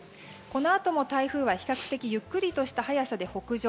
このあとも台風は比較的ゆっくりとした速さで北上。